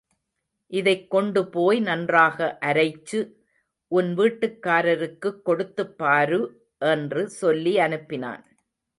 இதைக் கொண்டுபோய் நன்றாக அரைச்சு, உன் வீட்டுக்காரருக்குக் கொடுத்துப் பாரு என்று சொல்லி அனுப்பினான்.